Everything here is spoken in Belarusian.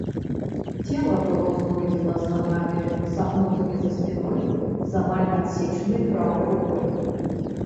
Цела было знойдзена з нагамі, сагнутымі за спіной, з амаль адсечанай правай рукой.